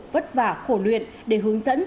vất vả khổ luyện để hướng dẫn